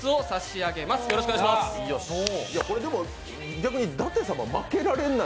逆に舘様負けられない。